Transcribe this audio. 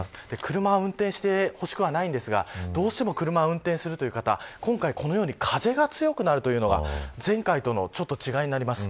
車を運転してほしくはないんですがどうしても運転するという方は風が強くなるのが前回との違いになります。